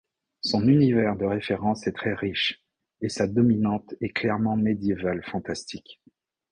Son univers de référence est très riche, et sa dominante est clairement médiévale-fantastique.